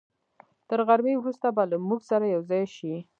تر غرمې وروسته به له موږ سره یوځای شي.